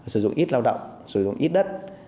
sử dụng ít lao động sử dụng ít đất